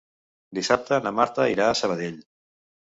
Dissabte na Marta irà a Sabadell.